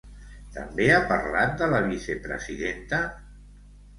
També ha parlat de la vicepresidenta?